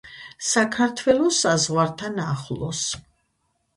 საქართველოს საზღვართან ახლოს.